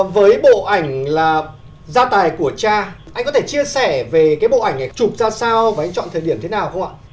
với bộ ảnh là gia tài của cha anh có thể chia sẻ về cái bộ ảnh này chụp ra sao và anh chọn thời điểm thế nào không ạ